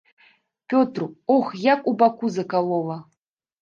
Пётру, ох, як у баку закалола.